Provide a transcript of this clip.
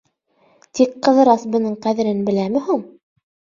Тик Ҡыҙырас бының ҡәҙерен беләме һуң?